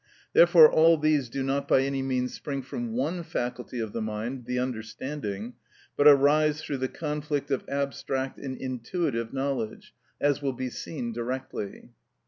Therefore all these do not by any means spring from one faculty of the mind, the understanding, but arise through the conflict of abstract and intuitive knowledge, as will be seen directly.